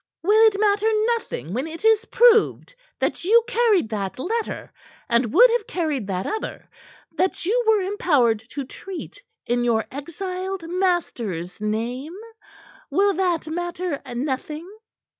"Will it matter nothing when it is proved that you carried that letter, and would have carried that other that you were empowered to treat in your exiled master's name? Will that matter nothing?"